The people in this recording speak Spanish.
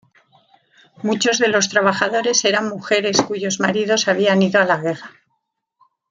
Muchos de los trabajadores eran mujeres cuyos maridos habían ido a la guerra.